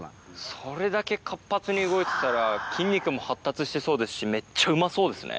それだけ活発に動いてたら筋肉も発達してそうですしめっちゃうまそうですね。